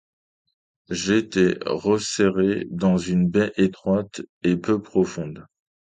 J’étais resserré dans une baie étroite et peu profonde !..